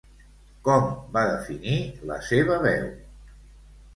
Com va definir la seva veu?